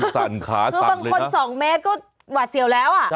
สั่นขาสั่นเลยนะคือบางคน๒เมตรก็หวัดเสียวแล้ว